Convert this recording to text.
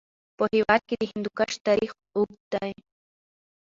په هېواد کې د هندوکش تاریخ اوږد دی.